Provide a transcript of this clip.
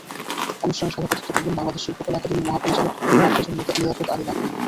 অনুষ্ঠানে সভাপতিত্ব করবেন বাংলাদেশ শিল্পকলা একাডেমীর মহাপরিচালক নাট্যজন লিয়াকত আলী লাকী।